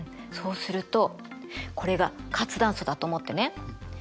そうするとこれが活断層だと思ってね。